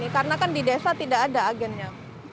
karena kan di desa tidak ada agennya